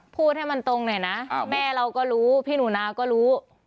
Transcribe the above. พูดให้มันตรงหน่อยนะแม่เราก็รู้พี่หนูนาก็รู้